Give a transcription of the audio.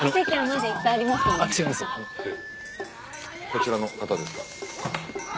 こちらの方ですか？